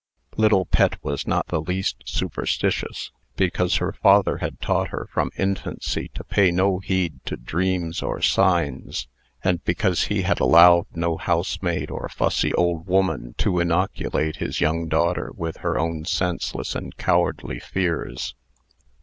Little Pet was not the least superstitious; because her father had taught her from infancy to pay no heed to dreams or signs; and because he had allowed no housemaid or fussy old woman to inoculate his young daughter with her own senseless and cowardly fears.